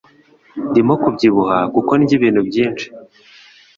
Ndimo kubyibuha kuko ndya ibintu byinshi.